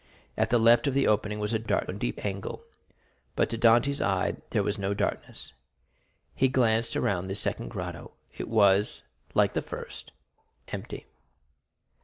At the left of the opening was a dark and deep angle. But to Dantès' eye there was no darkness. He glanced around this second grotto; it was, like the first, empty.